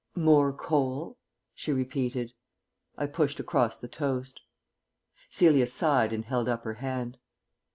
"More coal," she repeated. I pushed across the toast. Celia sighed and held up her hand.